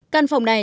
căn phòng này